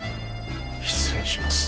失礼します。